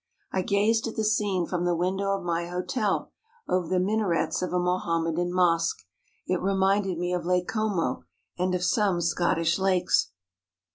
I gazed at the scene from the window of my hotel over the minarets of a Mohammedan mosque. It reminded me of Lake Como and of some Scottish lakes.